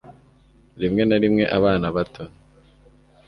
rimwe na rimwe, abana bato